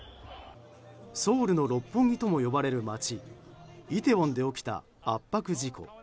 ソウルの六本木ともいわれる街イテウォンで起きた圧迫事故。